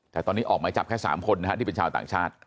แต่ตอนนี้ออกหมายจับแค่๓คนที่เป็นชาวต่างชาติ